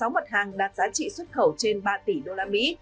sáu mặt hàng đạt giá trị xuất khẩu trên ba tỷ đô la mỹ